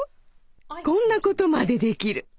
こんなことまでできる！